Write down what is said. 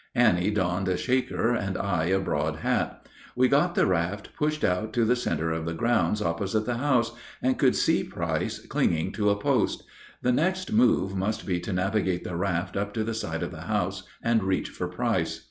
Annie donned a Shaker and I a broad hat. We got the raft pushed out to the center of the grounds opposite the house, and could see Price clinging to a post; the next move must be to navigate the raft up to the side of the house and reach for Price.